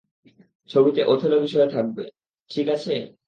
ছবিতে ওথেলো বিষয় থাকবে, ঠিক আছে?